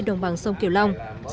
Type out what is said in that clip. đồng chí nguyễn xuân phúc